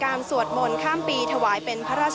พาคุณผู้ชมไปติดตามบรรยากาศกันที่วัดอรุณราชวรรมมหาวิหารค่ะ